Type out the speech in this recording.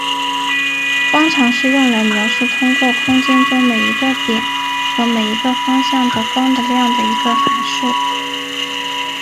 光场是用来描述通过空间中每一个点和每一个方向的光的量的一个函数。